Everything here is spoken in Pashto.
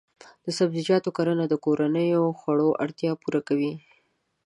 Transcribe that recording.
د سبزیجاتو کرنه د کورنیو خوړو اړتیاوې پوره کوي.